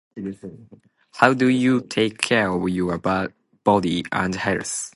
How do you take care of your bo- body and health?